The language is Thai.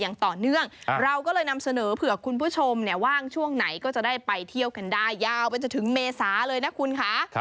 เราไปจะถึงเมษาเลยนะคุณคะ